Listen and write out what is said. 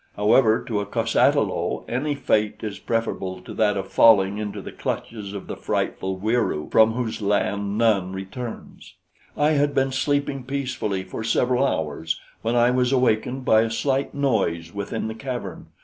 However, to a cos ata lo any fate is preferable to that of falling into the clutches of the frightful Wieroo, from whose land none returns. "I had been sleeping peacefully for several hours when I was awakened by a slight noise within the cavern.